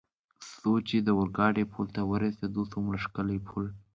څو چې د اورګاډي پل ته ورسېدو، څومره ښکلی پل.